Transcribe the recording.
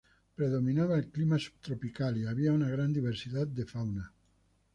Predominaba el clima subtropical y había una gran diversidad de fauna.